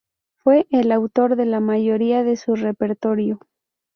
Fue el autor de la mayoría de su repertorio.